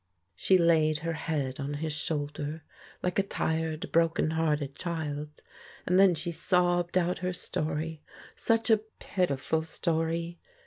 She laid her head on his shoulder like a tired, broken hearted child, and then she sobbed out her story. ... Such a pitiful story!